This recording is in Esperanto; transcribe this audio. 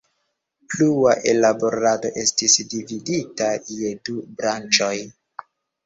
Plua ellaborado estis dividita je du branĉoj.